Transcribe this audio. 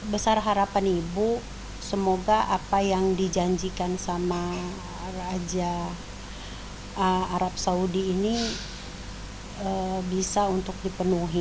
besar harapan ibu semoga apa yang dijanjikan sama raja arab saudi ini bisa untuk dipenuhi